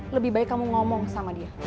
lebih baik kamu ngomong sama dia